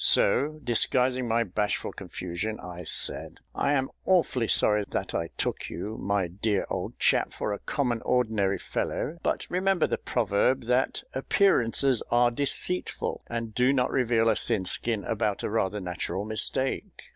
So, disguising my bashful confusion, I said, "I am awfully sorry that I took you, my dear old chap, for a common ordinary fellow; but remember the proverb, that 'appearances are deceitful,' and do not reveal a thin skin about a rather natural mistake."